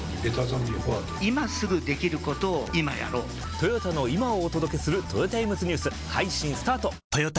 トヨタの今をお届けするトヨタイムズニュース配信スタート！！！